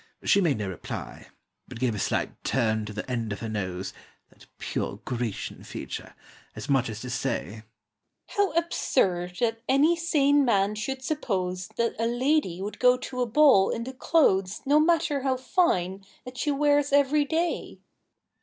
She made no reply, But gave a slight turn to the end of her nose That pure Grecian feature as much as to say, "How absurd that any sane man should suppose That a lady would go to a ball in the clothes, No matter how fine, that she wears every day!"